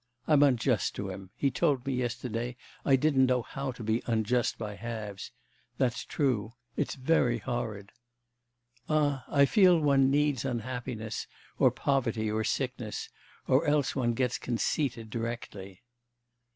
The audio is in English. I'm unjust to him; he told me yesterday I didn't know how to be unjust by halves... that's true. It's very horrid. 'Ah, I feel one needs unhappiness, or poverty or sickness, or else one gets conceited directly.